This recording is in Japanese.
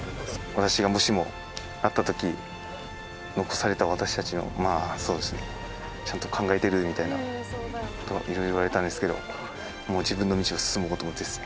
私がもしも、あったとき、残された私たちの、そうですね、ちゃんと考えてる？みたいな、いろいろ言われたんですけど、もう自分の道を進もうと思って。